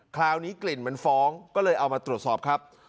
คราวนี้กลิ่นมันฟ้องก็เลยเอามาตรวจสอบครับ